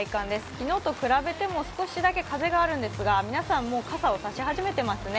昨日と比べても少しだけ風があるんですが皆さん、傘を差し始めていますね。